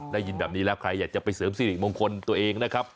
ได้ยินแบบนี้แล้วใครอยากจะไปเสริมสิริมงคลตัวเองนะครับ